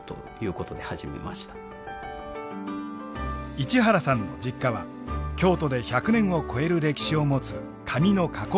市原さんの実家は京都で１００年を超える歴史を持つ紙の加工業者。